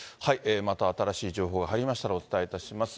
また新しい情報が入りましたら、お伝えいたします。